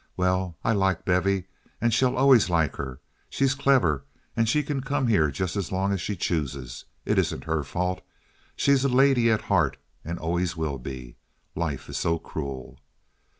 Well, I like Bevy and shall always like her. She's clever, and she can come here just as long as she chooses. It isn't her fault. She's a lady at heart and always will be. Life is so cruel."